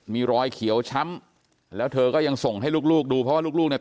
มีรอยเขียวช้ำแล้วเธอก็ยังส่งให้ลูกดูเพราะว่าลูกเนี่ย